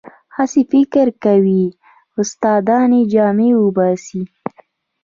هسې فکر کوي استادان یې جامې وباسي.